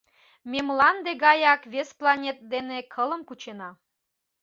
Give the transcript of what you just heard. Ме Мланде гаяк вес планет дене кылым кучена.